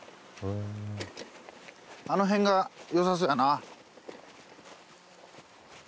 あの辺がよさそうやなやっぱ